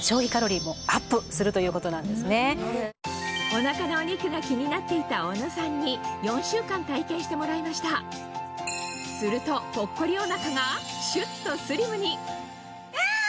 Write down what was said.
お腹のお肉が気になっていた小野さんに４週間体験してもらいましたするとぽっこりお腹がシュっとスリムにイェイ！